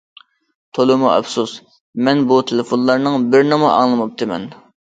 تولىمۇ ئەپسۇس، مەن بۇ تېلېفونلارنىڭ بىرىنىمۇ ئاڭلىماپتىمەن.